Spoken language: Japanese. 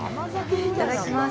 いただきます。